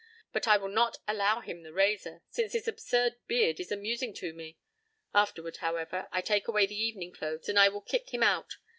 But I will not allow him the razor, since his absurd beard is amusing to me. Afterward, however, I take away the evening clothes and I will kick him out.